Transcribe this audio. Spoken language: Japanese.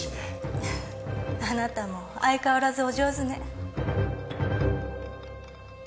フフッあなたも相変わらずお上手ね。